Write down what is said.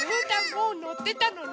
もうのってたのね！